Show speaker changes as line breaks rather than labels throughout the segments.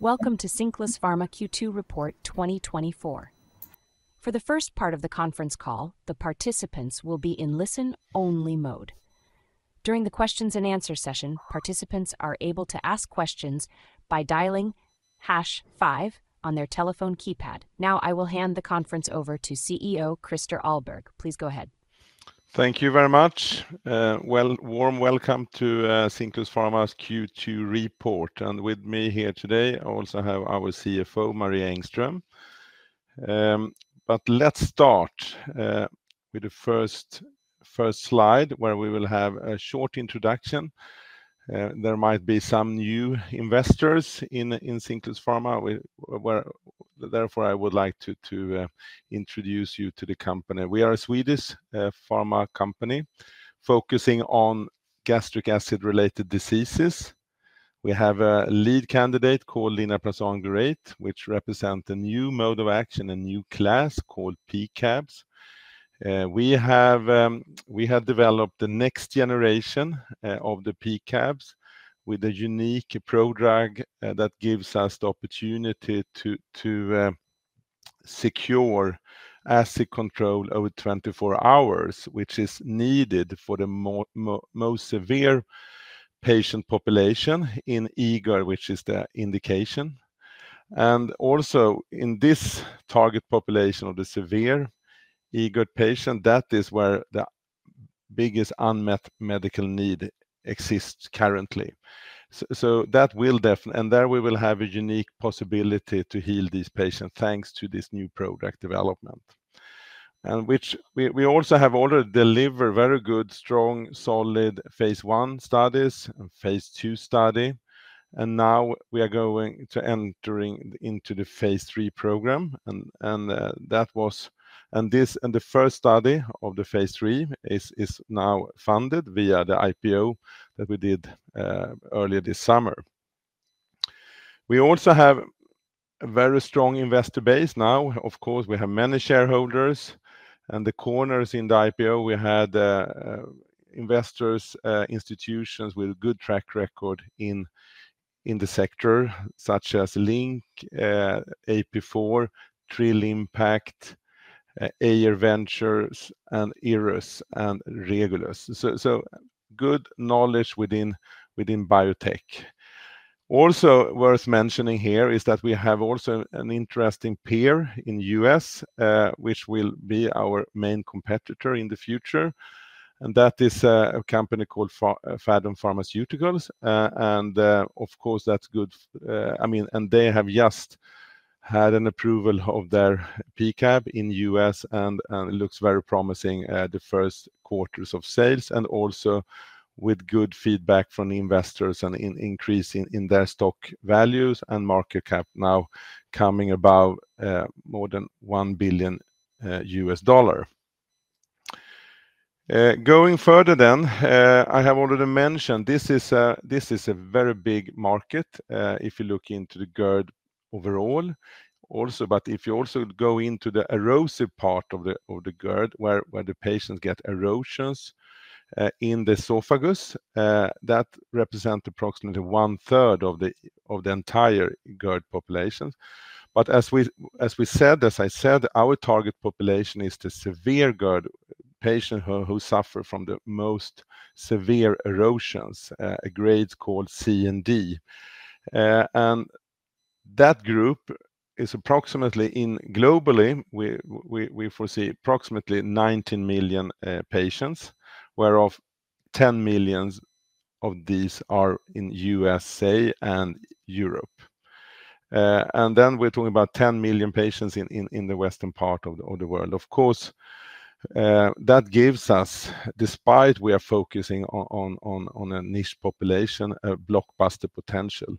Welcome to Cinclus Pharma Q2 Report 2024. For the first part of the conference call, the participants will be in listen-only mode. During the questions and answer session, participants are able to ask questions by dialing hash five on their telephone keypad. Now, I will hand the conference over to CEO, Christer Ahlberg. Please go ahead.
Thank you very much. Warm welcome to Cinclus Pharma's Q2 report. With me here today, I also have our CFO, Maria Engström. Let's start with the first slide, where we will have a short introduction. There might be some new investors in Cinclus Pharma. Therefore, I would like to introduce you to the company. We are a Swedish pharma company focusing on gastric acid-related diseases. We have a lead candidate called linaprazan glurate, which represent a new mode of action, a new class called P-CABs. We have developed the next generation of the P-CABs with a unique prodrug that gives us the opportunity to secure acid control over 24 hours, which is needed for the most severe patient population in eGERD, which is the indication. And also in this target population of the severe eGERD patient, that is where the biggest unmet medical need exists currently. And there we will have a unique possibility to heal these patients, thanks to this new prodrug development. And which we also have already delivered very good, strong, solid phase I studies and phase II study, and now we are going to entering into the phase III program. And this, and the first study of the phase III is now funded via the IPO that we did earlier this summer. We also have a very strong investor base now. Of course, we have many shareholders, and the corners in the IPO, we had investors, institutions with good track record in the sector, such as Linc, AP4, Trill Impact, Eir Ventures, and Iris Invest, and Recipharm Venture Fund. So good knowledge within biotech. Also worth mentioning here is that we have also an interesting peer in U.S., which will be our main competitor in the future, and that is a company called Phathom Pharmaceuticals. And of course, that's good. I mean, and they have just had an approval of their P-CAB in U.S., and it looks very promising, the first quarters of sales, and also with good feedback from the investors, and increasing in their stock values and market cap now coming above more than $1 billion. Going further then, I have already mentioned this is a very big market if you look into the GERD overall also. But if you also go into the erosive part of the GERD, where the patients get erosions in the esophagus, that represent approximately one-third of the entire GERD population. But as I said, our target population is the severe GERD patient who suffer from the most severe erosions, grades called C and D. And that group is approximately. Globally, we foresee approximately nineteen million patients, whereof ten millions of these are in USA and Europe. And then we're talking about ten million patients in the Western part of the world. Of course, that gives us, despite we are focusing on a niche population, a blockbuster potential.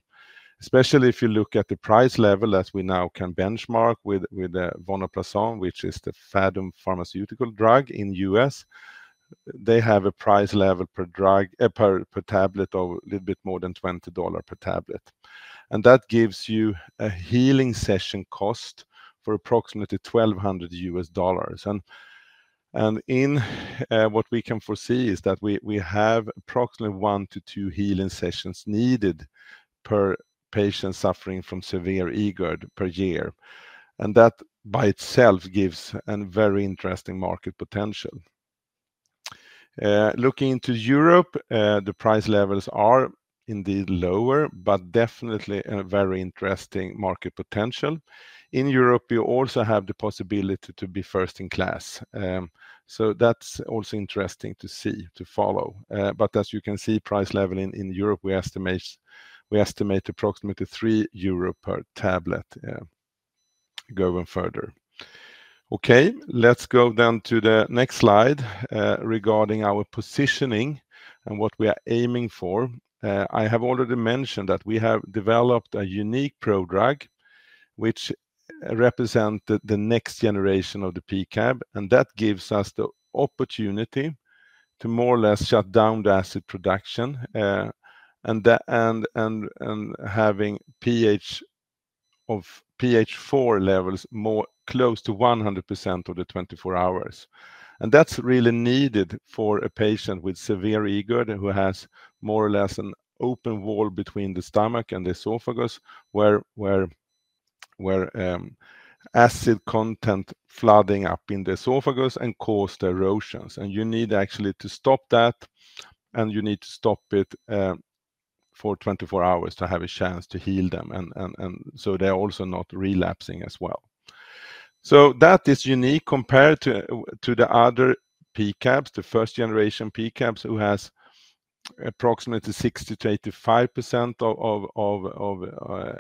Especially if you look at the price level, as we now can benchmark with vonoprazan, which is the Phathom Pharmaceuticals drug in U.S. They have a price level per tablet of a little bit more than $20 per tablet. And that gives you a healing session cost for approximately $1,200. And in what we can foresee is that we have approximately one to two healing sessions needed per patient suffering from severe eGERD per year, and that, by itself, gives a very interesting market potential. Looking into Europe, the price levels are indeed lower, but definitely a very interesting market potential. In Europe, you also have the possibility to be first in class, so that's also interesting to see, to follow. But as you can see, price level in Europe, we estimate approximately three EUR per tablet, going further. Okay, let's go down to the next slide, regarding our positioning and what we are aiming for. I have already mentioned that we have developed a unique prodrug, which represent the next generation of the P-CAB, and that gives us the opportunity to more or less shut down the acid production, and having pH 4 levels more close to 100% of the 24 hours. That's really needed for a patient with severe eGERD, who has more or less an open wall between the stomach and the esophagus, where acid content flooding up in the esophagus and cause the erosions. You need actually to stop that, and you need to stop it for 24 hours to have a chance to heal them, and so they're also not relapsing as well. That is unique compared to the other P-CABs, the first generation P-CABs, who has approximately 60%-85% of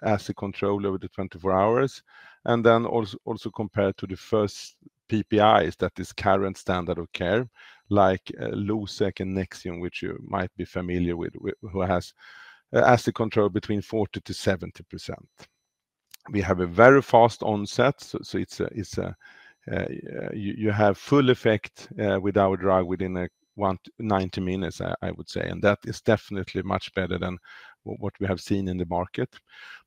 acid control over the 24 hours. Then also compared to the first PPIs, that is current standard of care, like Losec and Nexium, which you might be familiar with, who has acid control between 40%-70%. We have a very fast onset. You have full effect with our drug within 90 minutes, I would say. And that is definitely much better than what we have seen in the market.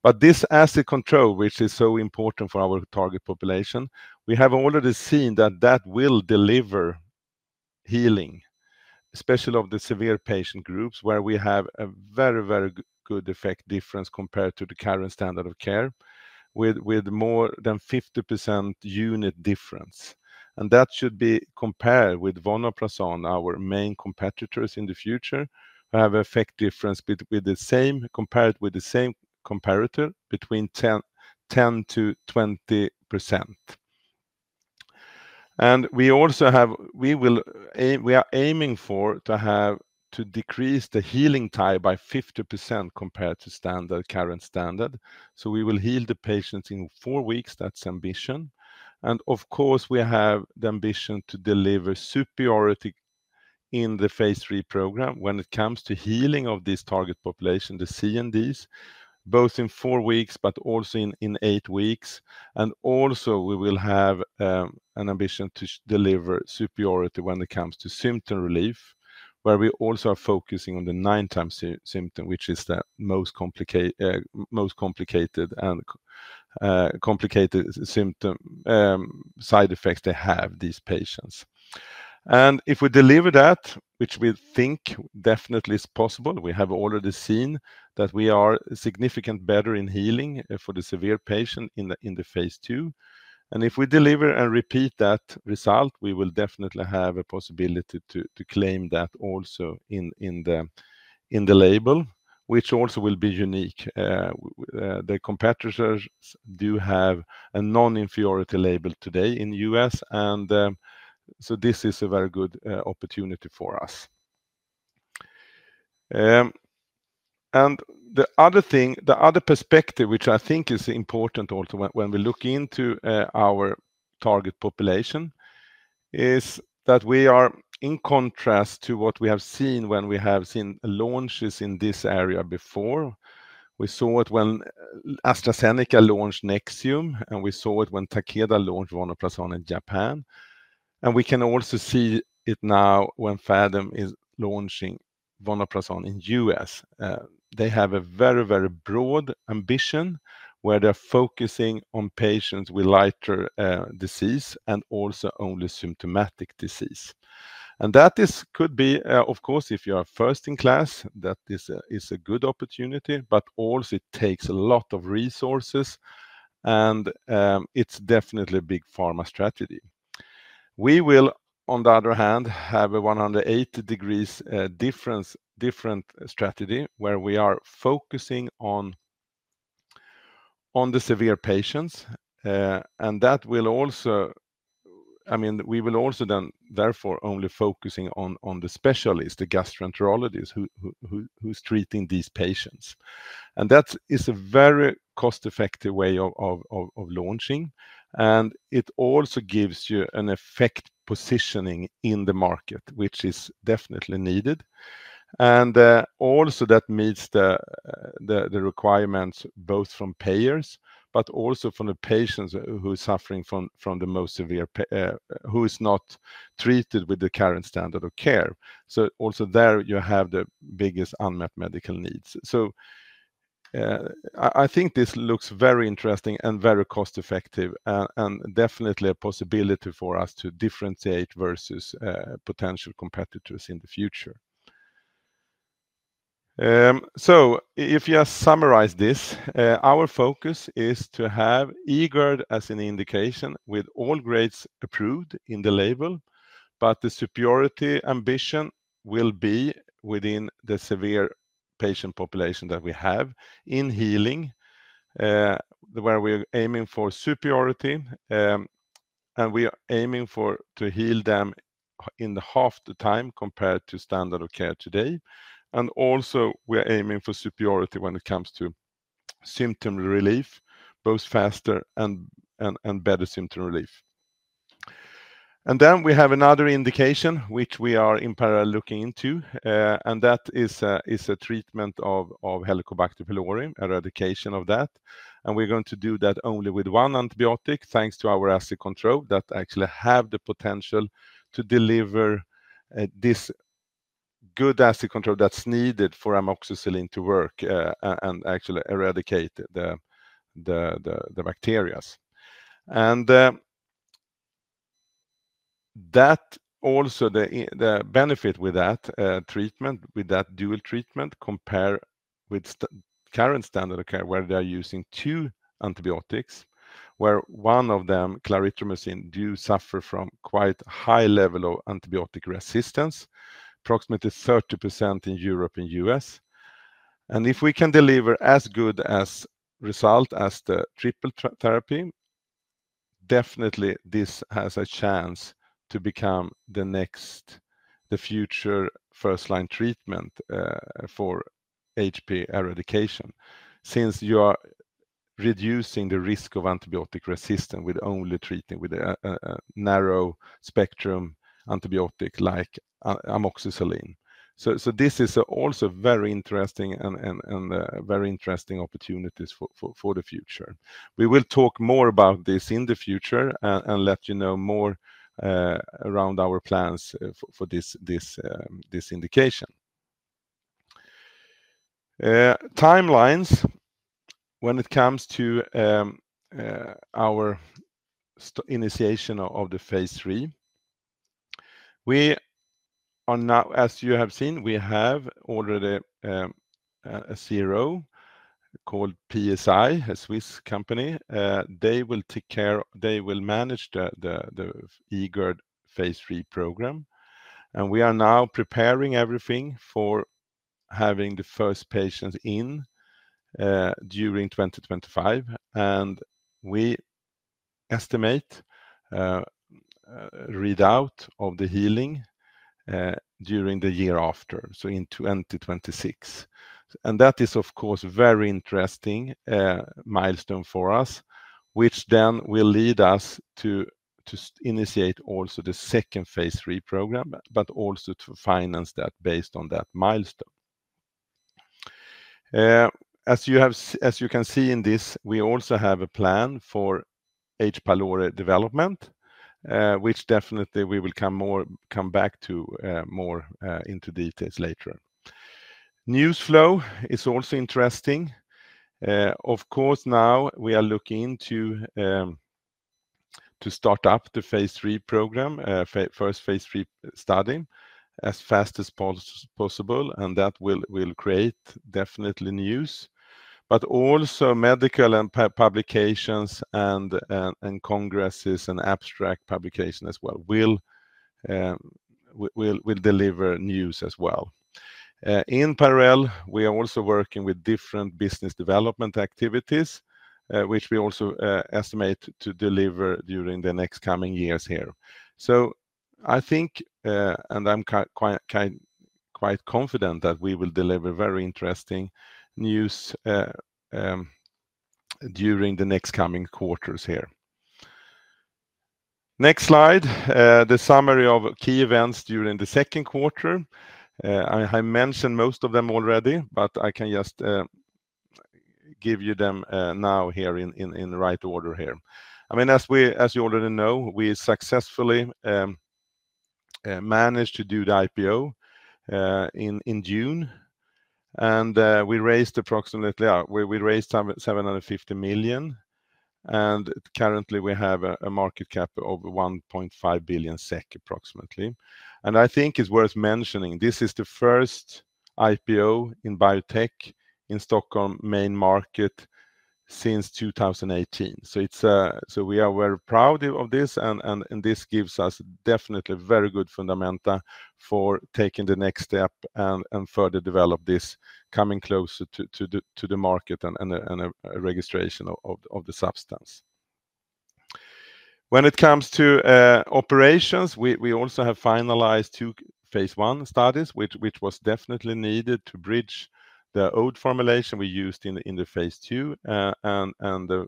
But this acid control, which is so important for our target population, we have already seen that will deliver healing, especially of the severe patient groups, where we have a very good effect difference compared to the current standard of care, with more than 50% unit difference. And that should be compared with vonoprazan, our main competitors in the future, have effect difference with the same compared with the same comparator between 10%-20%. And we also have... We are aiming to decrease the healing time by 50% compared to standard, current standard. We will heal the patients in four weeks. That's ambition. Of course, we have the ambition to deliver superiority in the phase III program when it comes to healing of this target population, the C and Ds, both in four weeks, but also in eight weeks. We will also have an ambition to deliver superiority when it comes to symptom relief, where we also are focusing on the night-time symptom, which is the most complicated symptom, side effects they have, these patients. If we deliver that, which we think definitely is possible, we have already seen that we are significant better in healing for the severe patient in the phase II. If we deliver and repeat that result, we will definitely have a possibility to claim that also in the label, which also will be unique. The competitors do have a non-inferiority label today in the U.S., and so this is a very good opportunity for us. The other thing, the other perspective, which I think is important also when we look into our target population, is that we are in contrast to what we have seen when we have seen launches in this area before. We saw it when AstraZeneca launched Nexium, and we saw it when Takeda launched vonoprazan in Japan. We can also see it now when Phathom is launching vonoprazan in the U.S. They have a very, very broad ambition, where they're focusing on patients with lighter disease and also only symptomatic disease. That could be, of course, if you are first in class, a good opportunity, but also it takes a lot of resources, and it's definitely a big pharma strategy. We will, on the other hand, have a 180-degree different strategy, where we are focusing on the severe patients. That will also—I mean, we will also then, therefore, only focus on the specialist, the gastroenterologist, who's treating these patients. That is a very cost-effective way of launching. It also gives you an effective positioning in the market, which is definitely needed. Also that meets the requirements, both from payers, but also from the patients who are suffering from the most severe who is not treated with the current standard of care. Also there, you have the biggest unmet medical needs. I think this looks very interesting and very cost-effective, and definitely a possibility for us to differentiate versus potential competitors in the future. If you summarize this, our focus is to have eGERD as an indication with all grades approved in the label, but the superiority ambition will be within the severe patient population that we have in healing, where we're aiming for superiority, and we are aiming to heal them in half the time compared to standard of care today. And also, we are aiming for superiority when it comes to symptom relief, both faster and better symptom relief. And then we have another indication, which we are in parallel looking into, and that is a treatment of Helicobacter pylori, eradication of that. And we're going to do that only with one antibiotic, thanks to our acid control, that actually have the potential to deliver good acid control that's needed for amoxicillin to work, and actually eradicate the bacterias. And that also the benefit with that treatment, with that dual treatment, compare with current standard of care, where they're using two antibiotics, where one of them, clarithromycin, do suffer from quite high level of antibiotic resistance, approximately 30% in Europe and U.S. If we can deliver as good a result as the triple therapy, definitely this has a chance to become the next, the future first-line treatment for HP eradication. Since you are reducing the risk of antibiotic resistance with only treating with a narrow spectrum antibiotic like amoxicillin. So this is also very interesting opportunities for the future. We will talk more about this in the future and let you know more around our plans for this indication. Timelines. When it comes to our initiation of the phase III, we are now, as you have seen, we have ordered a CRO called PSI, a Swiss company. They will take care. They will manage the eGERD phase III program. We are now preparing everything for having the first patient in during 2025. We estimate readout of the healing during the year after, so in 2026. That is, of course, very interesting milestone for us, which then will lead us to initiate also the second phase 3 program, but also to finance that based on that milestone. As you can see in this, we also have a plan for H. pylori development, which definitely we will come back to more into details later. News flow is also interesting. Of course, now we are looking to start up the phase 3 program, first phase 3 study, as fast as possible, and that will create definitely news. But also medical and publications and congresses and abstract publication as well will deliver news as well. In parallel, we are also working with different business development activities, which we also estimate to deliver during the next coming years here. So I think and I'm quite confident that we will deliver very interesting news during the next coming quarters here. Next slide, the summary of key events during the second quarter. I mentioned most of them already, but I can just give you them now here in the right order here. I mean, as you already know, we successfully managed to do the IPO in June, and we raised approximately 750 million SEK, and currently, we have a market cap of 1.5 billion SEK, approximately. I think it's worth mentioning, this is the first IPO in biotech in Stockholm main market since two thousand and eighteen. So we are very proud of this, and this gives us definitely very good fundamentals for taking the next step and further develop this, coming closer to the market and a registration of the substance. When it comes to operations, we also have finalized two phase 1 studies, which was definitely needed to bridge the old formulation we used in the phase 2 and the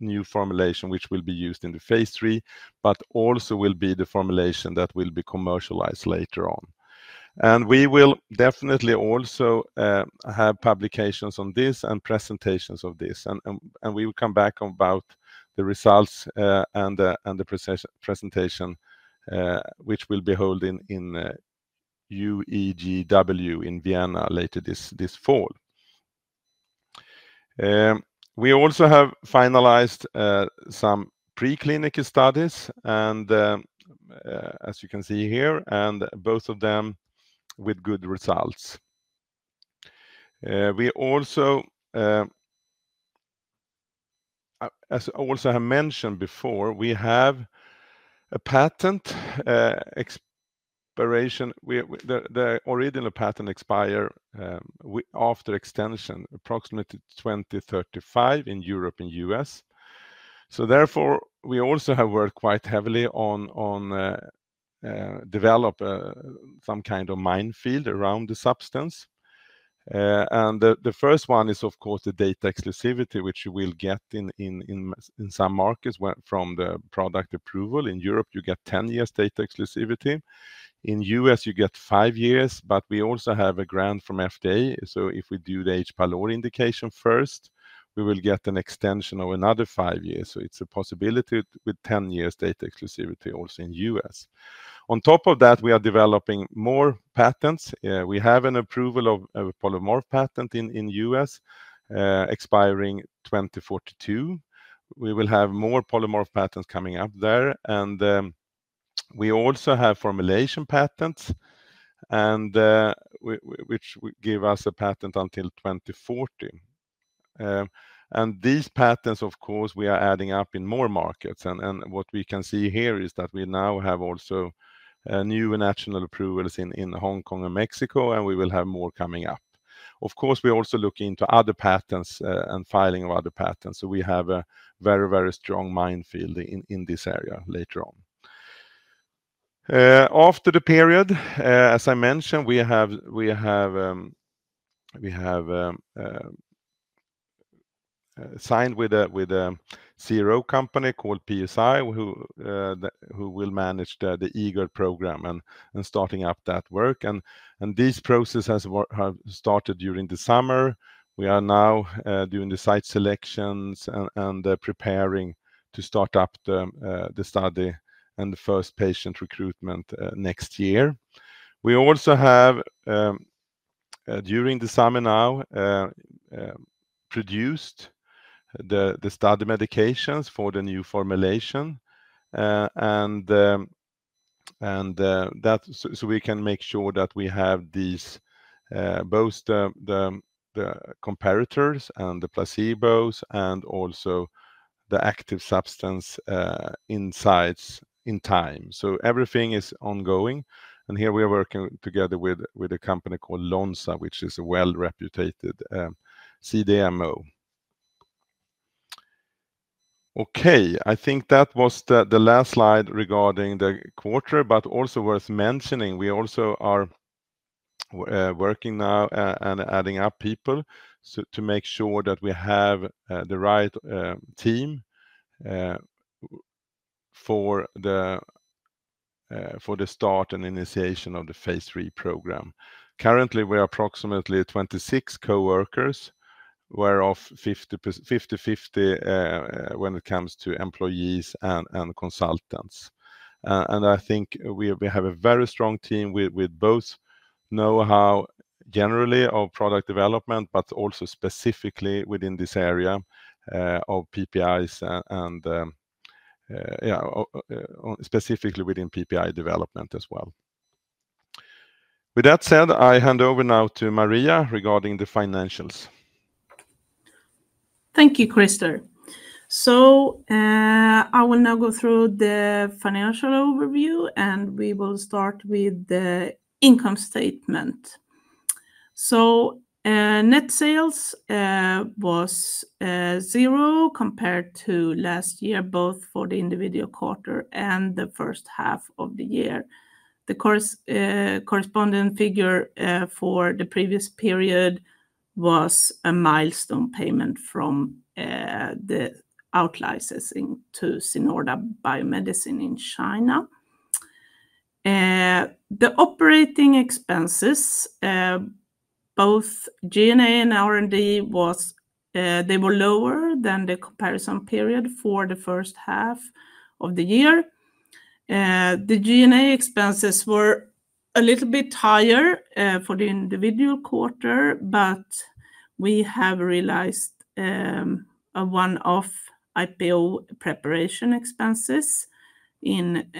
new formulation, which will be used in the phase 3, but also will be the formulation that will be commercialized later on. We will definitely also have publications on this and presentations of this, and we will come back about the results and the presentation, which we'll be holding in UEGW in Vienna later this fall. We also have finalized some preclinical studies, and as you can see here, and both of them with good results. We also, as I also have mentioned before, we have a patent expiration. The original patent expires after extension, approximately 2035 in Europe and US. So therefore, we also have worked quite heavily on develop some kind of minefield around the substance. And the first one is, of course, the data exclusivity, which you will get in some markets where from the product approval. In Europe, you get ten years data exclusivity. In US, you get five years, but we also have a grant from FDA. So if we do the H. pylori indication first, we will get an extension of another five years. So it's a possibility with ten years data exclusivity also in US. On top of that, we are developing more patents. We have an approval of a polymorphic patent in US, expiring 2042. We will have more polymorphic patents coming up there, and we also have formulation patents and which give us a patent until 2040. And these patents, of course, we are adding up in more markets, and what we can see here is that we now have also new national approvals in Hong Kong and Mexico, and we will have more coming up. Of course, we're also looking into other patents and filing of other patents, so we have a very, very strong minefield in this area later on. After the period, as I mentioned, we have signed with a CRO company called PSI, who will manage the eGERD program and starting up that work. This process has started during the summer. We are now doing the site selections and preparing to start up the study and the first patient recruitment next year. We also have during the summer now produced the study medications for the new formulation and so we can make sure that we have these both the comparators and the placebos, and also the active substance in stock in time. Everything is ongoing, and here we are working together with a company called Lonza, which is a well-reputed CDMO. Okay, I think that was the last slide regarding the quarter, but also worth mentioning, we also are working now and adding up people, so to make sure that we have the right team for the start and initiation of the phase III program. Currently, we're approximately 26 coworkers, whereof fifty-fifty when it comes to employees and consultants. And I think we have a very strong team with both know-how, generally, of product development, but also specifically within this area of PPIs and specifically within PPI development as well. With that said, I hand over now to Maria regarding the financials.
Thank you, Christer. So, I will now go through the financial overview, and we will start with the income statement. So, net sales was zero compared to last year, both for the individual quarter and the first half of the year. The corresponding figure for the previous period was a milestone payment from the outlicensing to Sinorda Biomedicine in China. The operating expenses, both G&A and R&D, was they were lower than the comparison period for the first half of the year. The G&A expenses were a little bit higher for the individual quarter, but we have realized a one-off IPO preparation expenses in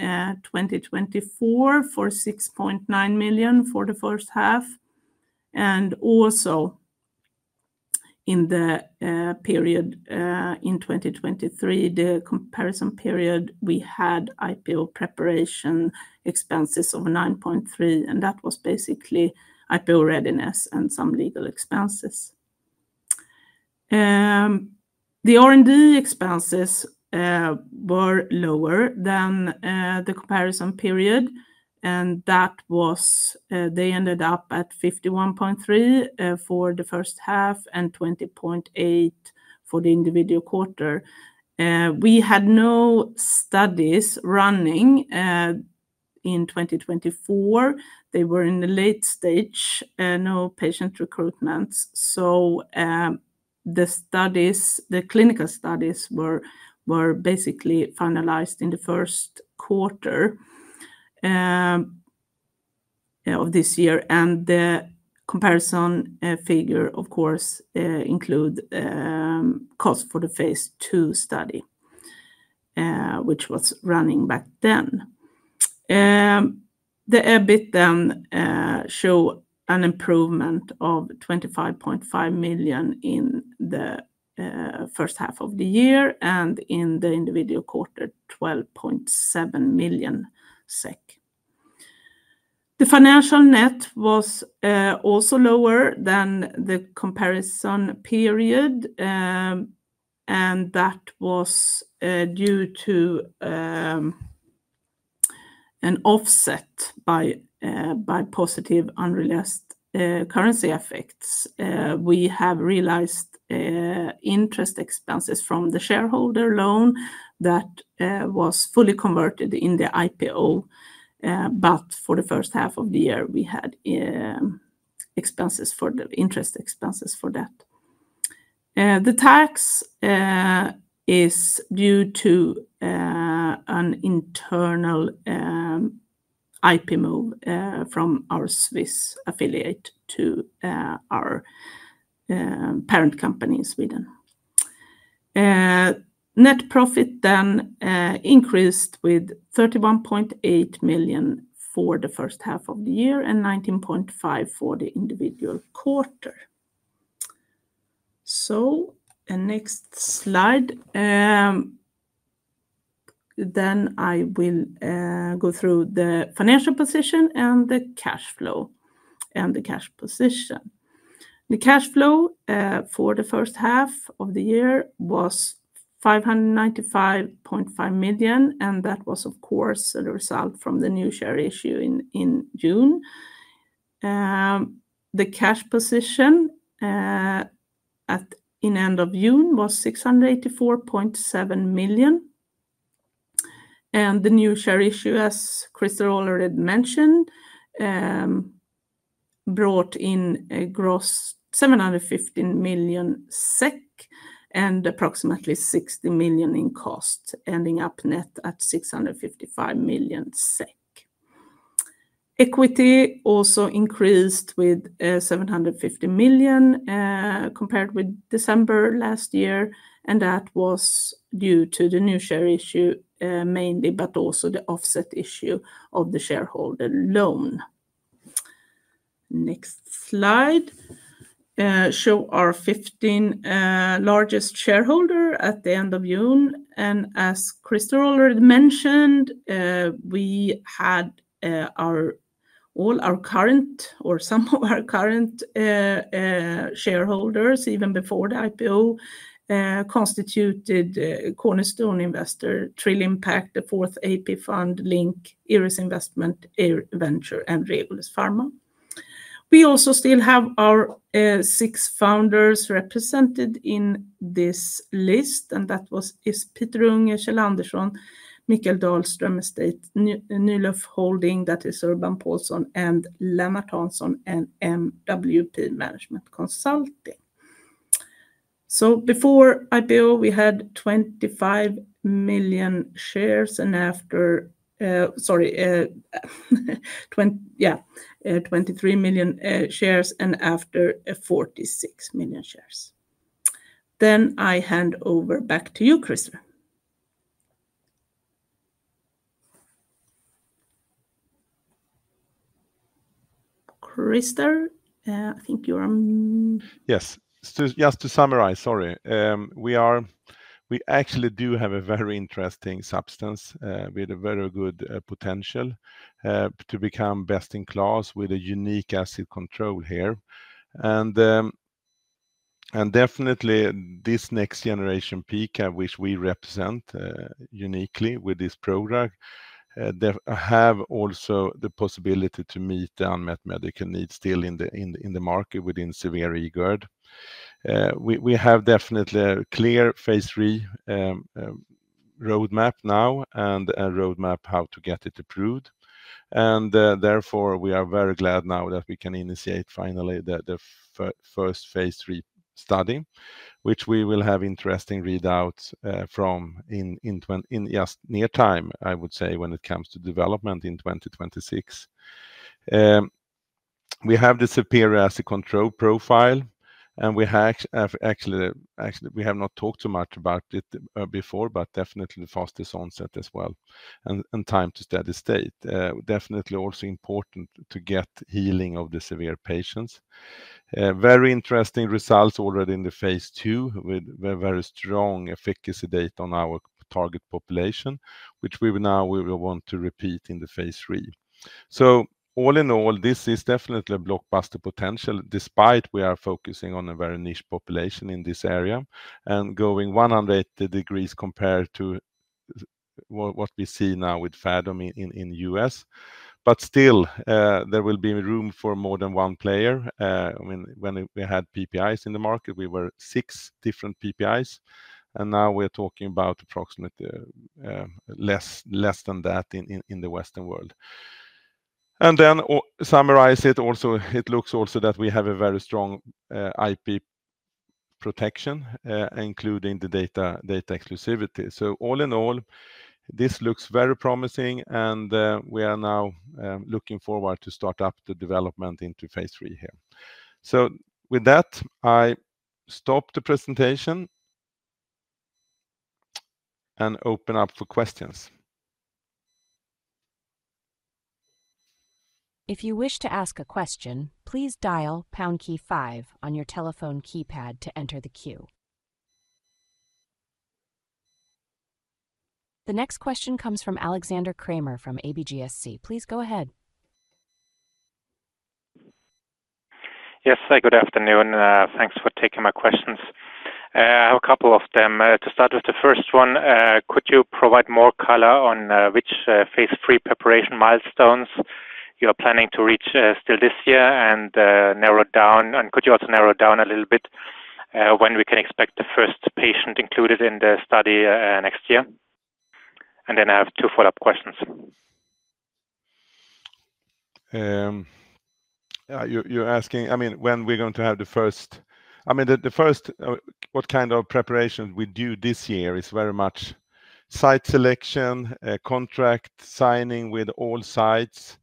2024 for 6.9 million for the first half, and also in the period in 2023, the comparison period, we had IPO preparation expenses of 9.3 million, and that was basically IPO readiness and some legal expenses. The R&D expenses were lower than the comparison period, and that was they ended up at 51.3 million for the first half and 20.8 million for the individual quarter. We had no studies running in 2024. They were in the late stage, no patient recruitments. The studies, the clinical studies were basically finalized in the first quarter of this year, and the comparison figure, of course, include cost for the phase II study, which was running back then. The EBIT then show an improvement of 25.5 million SEK in the first half of the year, and in the individual quarter, 12.7 million SEK. The financial net was also lower than the comparison period, and that was due to an offset by positive, unrealized currency effects. We have realized interest expenses from the shareholder loan that was fully converted in the IPO, but for the first half of the year, we had interest expenses for that. The tax is due to an internal IP move from our Swiss affiliate to our parent company in Sweden. Net profit then increased with 31.8 million for the first half of the year and 19.5 million for the individual quarter. So and next slide, then I will go through the financial position and the cash flow, and the cash position. The cash flow for the first half of the year was 595.5 million, and that was, of course, a result from the new share issue in June. The cash position at end of June was 684.7 million. The new share issue, as Christer already mentioned, brought in a gross 715 million SEK and approximately 60 million in cost, ending up net at 655 million SEK. Equity also increased with 750 million, compared with December last year, and that was due to the new share issue, mainly, but also the offset issue of the shareholder loan. Next slide shows our 15 largest shareholders at the end of June, and as Christer already mentioned, we had all our current or some of our current shareholders, even before the IPO, constitute cornerstone investors, Trill Impact, AP4, Linc, Iris Invest, Eir Ventures, and Recipharm. We also still have our six founders represented in this list, and that was, is Peter Unge, Kjell Andersson, Mikael Dahlström Estate, Nylöf Holding, that is Urban Paulsson and Lennart Hansson, and MWP Management Consulting. So before IPO, we had 23 million shares, and after 46 million shares. Then I hand over back to you, Christer. Christer, I think you're on.
Yes. So just to summarize, sorry. We actually do have a very interesting substance with a very good potential to become best in class with a unique acid control here. And definitely this next generation P-CAB, which we represent uniquely with this product, they have also the possibility to meet the unmet medical needs still in the market within severe GERD. We have definitely a clear phase III roadmap now and a roadmap how to get it approved. And therefore, we are very glad now that we can initiate finally the first phase III study, which we will have interesting readouts from in just near time, I would say, when it comes to development in 2026. We have the superior acid control profile, and we have actually, actually, we have not talked so much about it, before, but definitely the fastest onset as well, and time to steady state. Definitely also important to get healing of the severe patients. Very interesting results already in the phase II, with very strong efficacy data on our target population, which we will now want to repeat in the phase III. So all in all, this is definitely a blockbuster potential, despite we are focusing on a very niche population in this area, and going one hundred and eighty degrees compared to what we see now with Phathom in the U.S. But still, there will be room for more than one player. I mean, when we had PPIs in the market, we were six different PPIs, and now we're talking about approximately less than that in the Western world. And then summarize it also, it looks also that we have a very strong IP protection, including the data exclusivity. So all in all, this looks very promising, and we are now looking forward to start up the development into phase III here. So with that, I stop the presentation and open up for questions.
If you wish to ask a question, please dial pound key five on your telephone keypad to enter the queue. The next question comes from Alexander Krämer from ABGSC. Please go ahead.
Yes. Good afternoon, thanks for taking my questions. I have a couple of them. To start with the first one, could you provide more color on which phase III preparation milestones you are planning to reach still this year, and narrow it down? And could you also narrow it down a little bit when we can expect the first patient included in the study next year? And then I have two follow-up questions.
Yeah, you're asking, I mean, when we're going to have the first. I mean, the first, what kind of preparation we do this year is very much site selection, contract signing with all sites.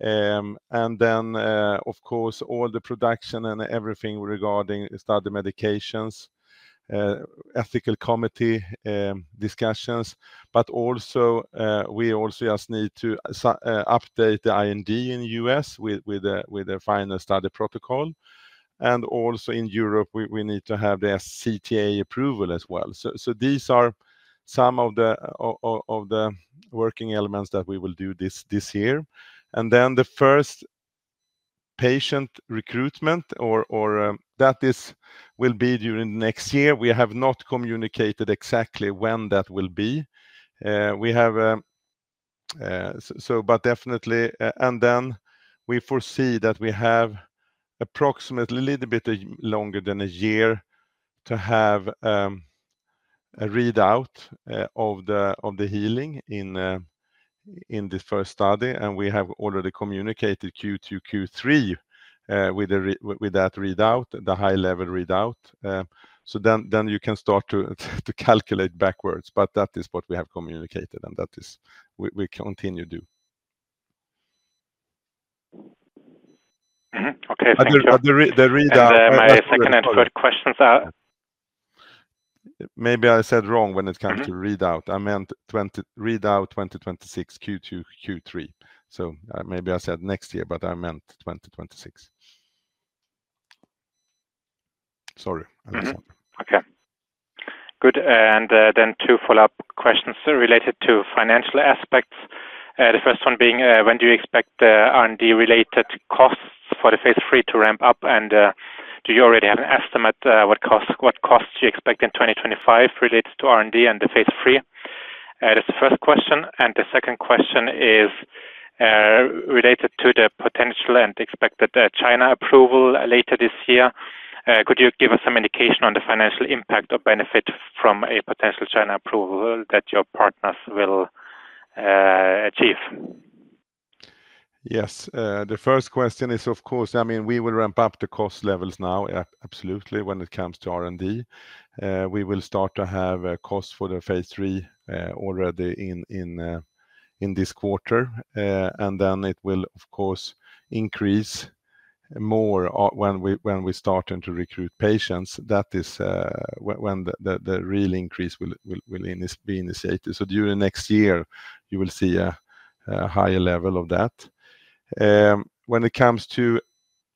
And then, of course, all the production and everything regarding study medications, ethical committee discussions. But also, we also just need to update the IND in U.S. with the final study protocol. And also in Europe, we need to have the CTA approval as well. So these are some of the working elements that we will do this year. And then the first patient recruitment or that is will be during next year. We have not communicated exactly when that will be. We have so, but definitely, and then we foresee that we have approximately a little bit longer than a year to have a readout of the healing in the first study. And we have already communicated Q2, Q3 with that readout, the high-level readout. So then you can start to calculate backwards, but that is what we have communicated, and that is what we continue to do.
Mm-hmm. Okay. Thank you.
But the readout.
My second follow-up questions are-
Maybe I said wrong when it comes to-
Mm-hmm...
readout. I meant readout 2026, Q2, Q3. So, maybe I said next year, but I meant 2026. Sorry, I was wrong.
Mm-hmm. Okay. Good, and then two follow-up questions related to financial aspects. The first one being, when do you expect the R&D-related costs for the phase III to ramp up? And, do you already have an estimate, what cost, what costs do you expect in 2025 related to R&D and the phase III? That's the first question. And the second question is, related to the potential and expected, China approval later this year. Could you give us some indication on the financial impact or benefit from a potential China approval that your partners will achieve?
Yes. The first question is, of course, I mean, we will ramp up the cost levels now, absolutely, when it comes to R&D. We will start to have a cost for the phase III, already in this quarter. And then it will, of course, increase more, when we're starting to recruit patients. That is, when the real increase will in this be initiated. So during next year, you will see a higher level of that. When it comes to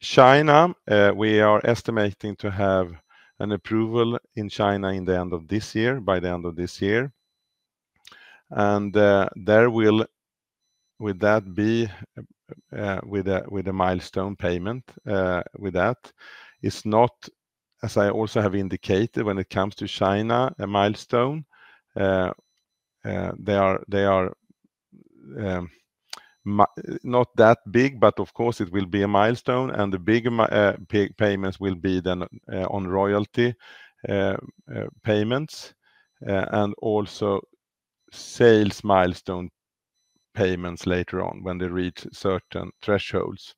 China, we are estimating to have an approval in China in the end of this year, by the end of this year. And, there will with that be with a milestone payment. With that, it's not, as I also have indicated, when it comes to China, a milestone. They are not that big, but of course, it will be a milestone, and the big payments will be then on royalty payments and also sales milestone payments later on when they reach certain thresholds.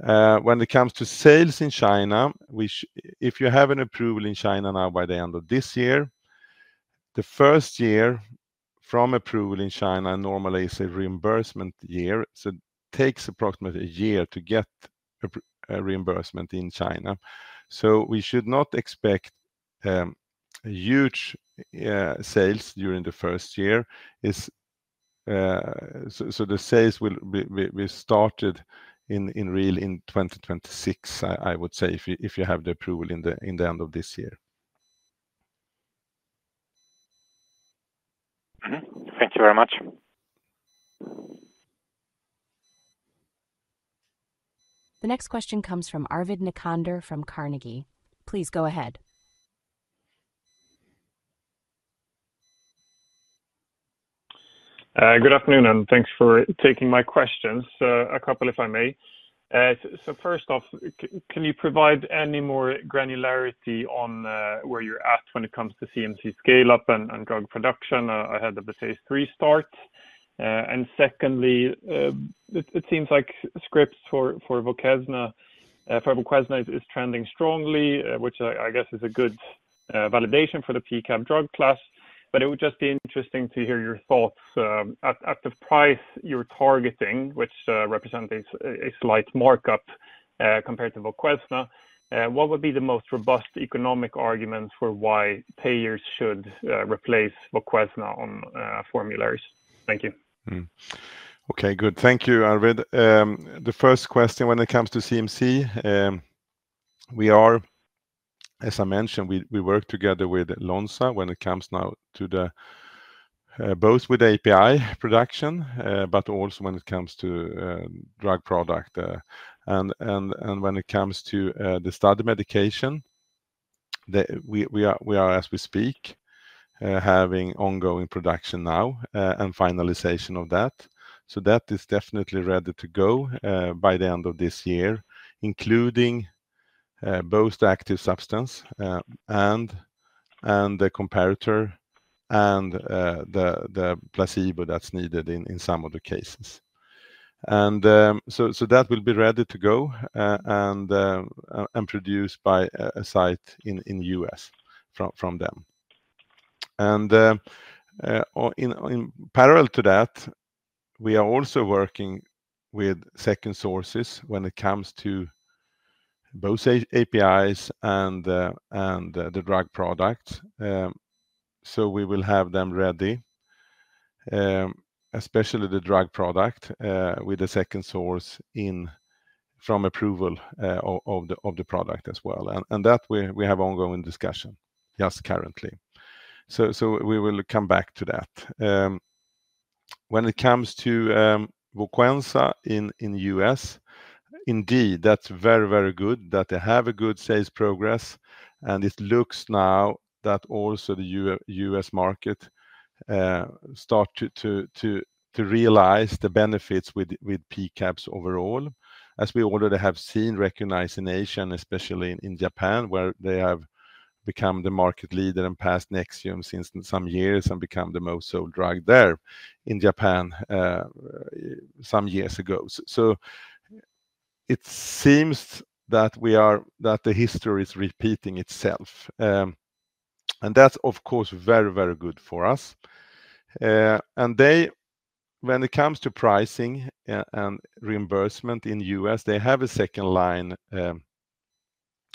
When it comes to sales in China, which if you have an approval in China now, by the end of this year, the first year from approval in China normally is a reimbursement year. So it takes approximately a year to get a reimbursement in China. So we should not expect huge sales during the first year. The sales will be started really in 2026, I would say, if you have the approval in the end of this year.
Mm-hmm. Thank you very much.
The next question comes from Arvid Nikander from Carnegie. Please go ahead.
Good afternoon, and thanks for taking my questions, a couple, if I may. So first off, can you provide any more granularity on where you're at when it comes to CMC scale-up and drug production? And secondly, it seems like scripts for Voquezna is trending strongly, which I guess is a good validation for the PCAB drug class. But it would just be interesting to hear your thoughts at the price you're targeting, which represents a slight markup compared to Voquezna. What would be the most robust economic argument for why payers should replace Voquezna on formularies? Thank you.
Okay, good. Thank you, Arvid. The first question when it comes to CMC, we are, as I mentioned, we work together with Lonza when it comes now to the both with API production, but also when it comes to drug product, and when it comes to the study medication, we are, as we speak, having ongoing production now, and finalization of that. So that is definitely ready to go by the end of this year, including both the active substance and the comparator and the placebo that's needed in some of the cases. And so that will be ready to go and produced by a site in the U.S. from them. Or in parallel to that, we are also working with second sources when it comes to both APIs and the drug product. So we will have them ready, especially the drug product, with the second source in from approval of the product as well. And that we have ongoing discussion just currently. So we will come back to that. When it comes to Voquezna in U.S., indeed, that's very, very good that they have a good sales progress, and it looks now that also the U.S. market start to realize the benefits with P-CABs overall, as we already have seen recognition, especially in Japan, where they have become the market leader and passed Nexium since some years and become the most sold drug there in Japan some years ago, so it seems that the history is repeating itself, and that's, of course, very, very good for us, and when it comes to pricing and reimbursement in U.S., they have a second-line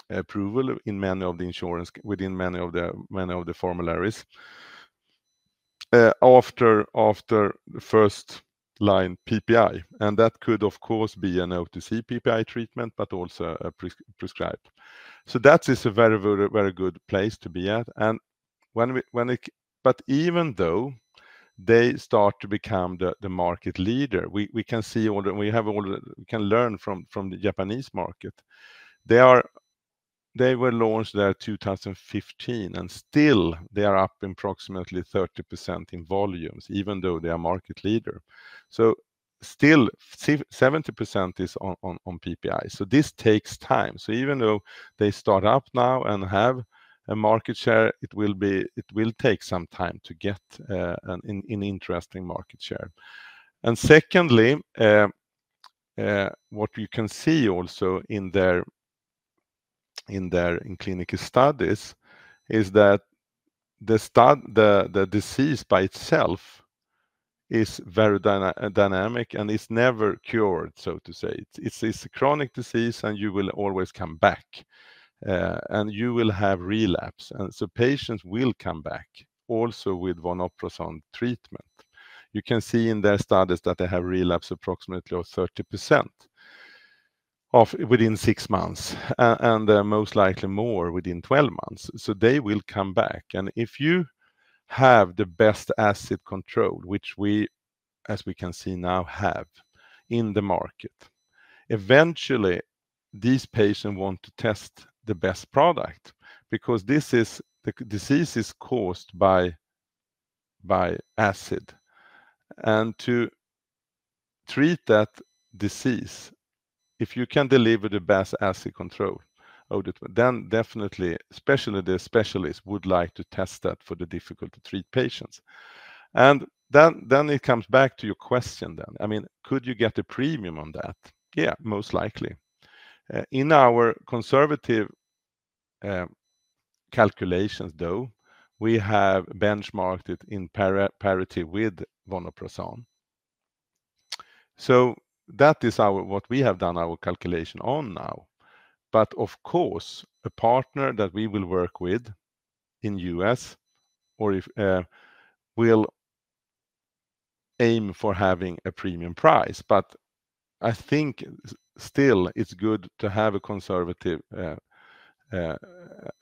approval in many of the insurers within many of the formularies after the first-line PPI. That could, of course, be an OTC PPI treatment, but also a pre-prescribed. That is a very, very, very good place to be at. Even though they start to become the market leader, we can learn from the Japanese market. They were launched there two thousand and fifteen, and still they are up approximately 30% in volumes, even though they are market leader. Still, 70% is on PPI. This takes time. Even though they start up now and have a market share, it will take some time to get an interesting market share. And secondly, what you can see also in their clinical studies is that the disease by itself is very dynamic and is never cured, so to say. It's a chronic disease, and you will always come back and you will have relapse. And so patients will come back also with vonoprazan treatment. You can see in their studies that they have relapse approximately of 30% within six months and most likely more within 12 months. So they will come back. And if you have the best acid control, which we, as we can see now, have in the market, eventually these patients want to test the best product, because this is... The disease is caused by acid. To treat that disease, if you can deliver the best acid control, then definitely, especially the specialists, would like to test that for the difficult to treat patients. Then it comes back to your question then. I mean, could you get a premium on that? Yeah, most likely. In our conservative calculations, though, we have benchmarked it in parity with vonoprazan. So that is what we have done our calculation on now. But of course, a partner that we will work with in US or if will aim for having a premium price. But I think still it's good to have a conservative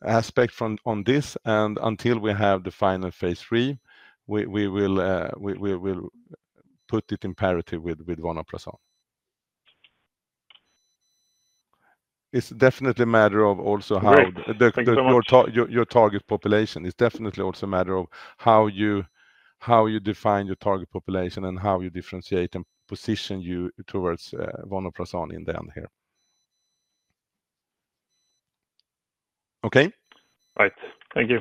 aspect on this, and until we have the final phase III, we will put it in parity with vonoprazan. It's definitely a matter of also how-
Great. Thank you so much.
Your target population. It's definitely also a matter of how you define your target population and how you differentiate and position you towards vonoprazan in the end here. Okay?
Right. Thank you.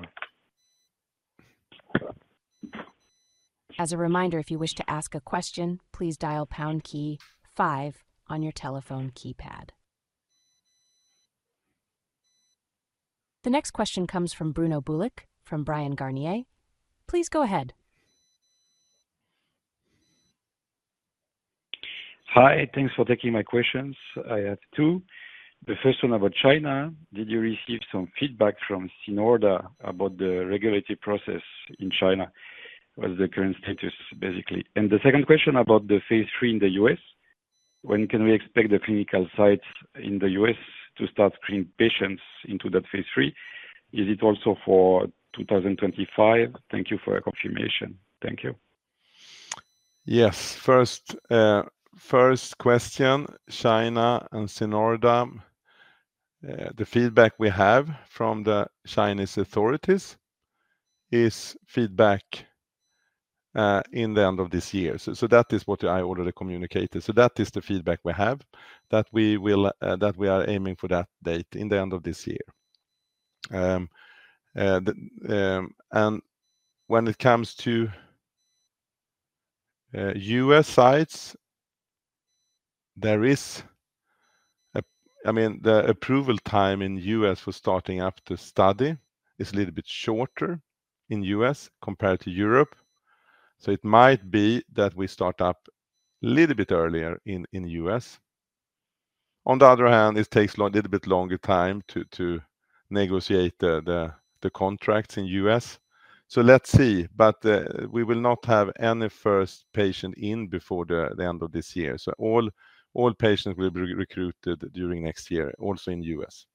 As a reminder, if you wish to ask a question, please dial pound key five on your telephone keypad. The next question comes from Bruno Bulic, from Bryan Garnier. Please go ahead.
Hi, thanks for taking my questions. I have two. The first one about China. Did you receive some feedback from Sinorda about the regulatory process in China? What is the current status, basically? And the second question about the phase III in the U.S., when can we expect the clinical sites in the U.S. to start screening patients into that phase III? Is it also for 2025? Thank you for your confirmation. Thank you.
Yes. First question, China and Sinorda. The feedback we have from the Chinese authorities is feedback in the end of this year. So that is what I already communicated. So that is the feedback we have, that we will that we are aiming for that date in the end of this year. And when it comes to U.S. sites, there is, I mean, the approval time in U.S. for starting up the study is a little bit shorter in U.S. compared to Europe. So it might be that we start up a little bit earlier in the U.S. On the other hand, it takes a little bit longer time to negotiate the contracts in U.S. So let's see. We will not have any first patient in before the end of this year. All patients will be recruited during next year, also in U.S.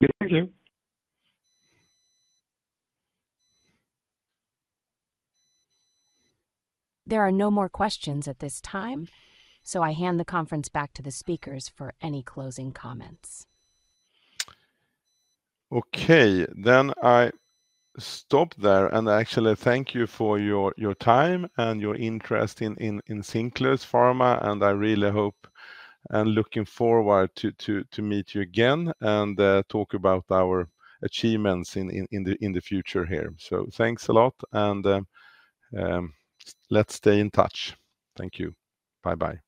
Good. Thank you.
There are no more questions at this time, so I hand the conference back to the speakers for any closing comments.
Okay, then I stop there. Actually, thank you for your time and your interest in Cinclus Pharma, and I really hope and looking forward to meet you again and talk about our achievements in the future here. So thanks a lot, and let's stay in touch. Thank you. Bye-bye.